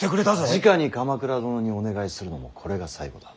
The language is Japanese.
じかに鎌倉殿にお願いするのもこれが最後だ。